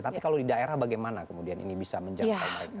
tapi kalau di daerah bagaimana kemudian ini bisa menjangkau mereka